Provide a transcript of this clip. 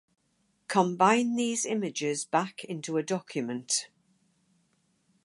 Combine these images back into a document